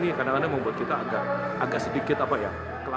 ini kadang kadang membuat kita agak sedikit kelabakan